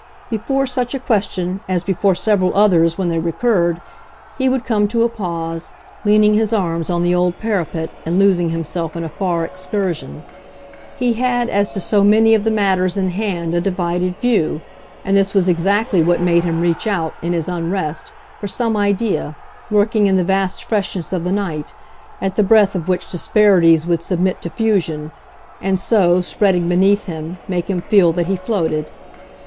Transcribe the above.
Before such a question, as before several others when they recurred, he would come to a pause, leaning his arms on the old parapet and losing himself in a far excursion. He had as to so many of the matters in hand a divided view, and this was exactly what made him reach out, in his unrest, for some idea, lurking in the vast freshness of the night, at the breath of which disparities would submit to fusion, and so, spreading beneath him, make him feel that he floated.